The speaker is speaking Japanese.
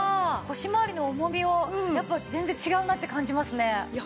腰回りの重みをやっぱ全然違うなって感じますね。